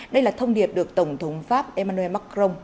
đây là thông điệp được tổng thống pháp emmanuel macron